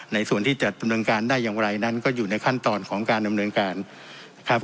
ส่วนที่จะดำเนินการได้อย่างไรนั้นก็อยู่ในขั้นตอนของการดำเนินการนะครับ